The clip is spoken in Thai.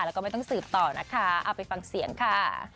แล้วก็ไม่ต้องสืบต่อนะคะเอาไปฟังเสียงค่ะ